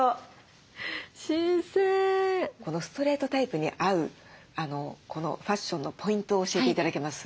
このストレートタイプに合うこのファッションのポイントを教えて頂けます？